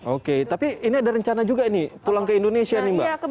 oke tapi ini ada rencana juga nih pulang ke indonesia nih mbak